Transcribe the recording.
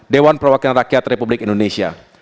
dewan perwakilan rakyat republik indonesia